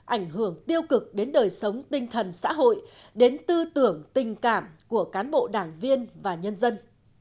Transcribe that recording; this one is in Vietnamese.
ảnh hưởng tiêu cực đến đời sống tinh thần xã hội đến tư tưởng tình cảm của cán bộ đảng viên và nhân dân